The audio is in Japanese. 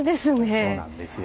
そうなんですよ。